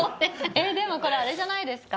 えでもこれあれじゃないですか？